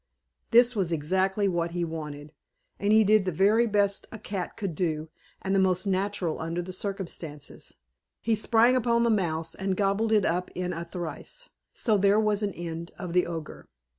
This was exactly what he wanted; and he did the very best a cat could do, and the most natural under the circumstances he sprang upon the mouse and gobbled it up in a trice. So there was an end of the Ogre.